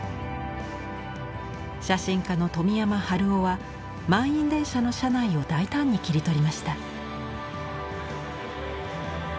写真家の富山治夫は満員電車の車内を大胆に切り取りました。